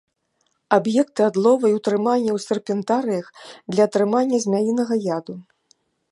Аб'екты адлову і ўтрымання ў серпентарыях для атрымання змяінага яду.